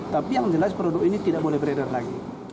tapi yang jelas produk ini tidak boleh beredar lagi